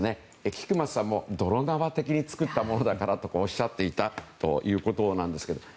菊松さんも泥縄的に作ったものだからとおっしゃっていたということなんですけれども。